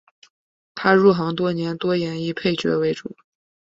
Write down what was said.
他入行多年多演绎配角为主。